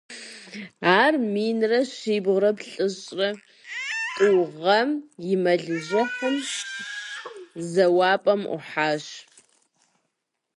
Ар минрэ щибгъурэ плӏыщӏрэ тӏу гъэм и мэлыжьыхьым зэуапӏэм ӏухьащ.